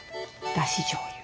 だしじょうゆ。